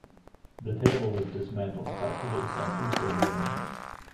The table was dismantled by police on Tuesday morning.